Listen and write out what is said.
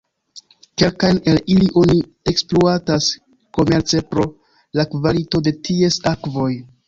Kelkajn el ili oni ekspluatas komerce pro la kvalito de ties akvoj.